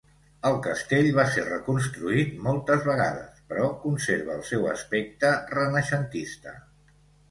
El castell va ser reconstruït moltes vegades, però conserva el seu aspecte renaixentista.